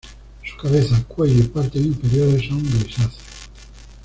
Su cabeza, cuello y partes inferiores son grisáceos.